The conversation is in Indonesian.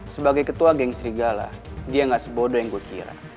sebagai ketua geng serigala dia gak sebodoh yang gue kira